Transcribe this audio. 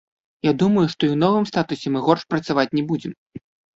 Я думаю, што і ў новым статусе мы горш працаваць не будзем.